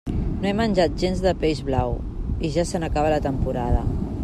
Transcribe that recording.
No he menjat gens de peix blau i ja se n'acaba la temporada.